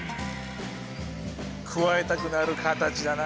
くわえたくなる形だな。